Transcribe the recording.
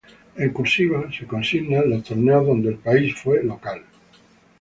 En "cursiva" se consignan los torneos donde el país fue local.